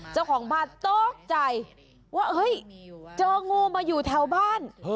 เจ้าของบ้านตกใจว่าเฮ้ยเจองูมาอยู่แถวบ้าน